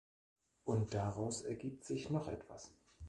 Und daraus ergibt sich noch etwas.